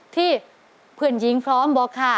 ที่เพื่อนหญิงพร้อมบอกค่ะ